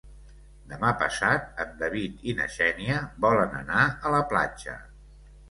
Demà passat en David i na Xènia volen anar a la platja.